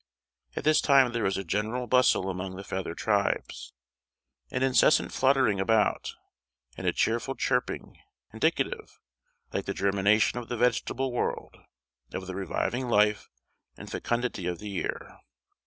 At this time there is a general bustle among the feathered tribes; an incessant fluttering about, and a cheerful chirping, indicative, like the germination of the vegetable world, of the reviving life and fecundity of the year.